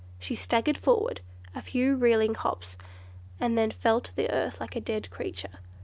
She staggered forward a few reeling hops, and then fell to the earth like a dead creature.